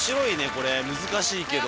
これ難しいけど。